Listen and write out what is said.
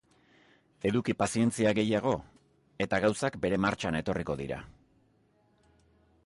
Eduki pazientzia gehiago, eta gauzak bere martxan etorriko dira.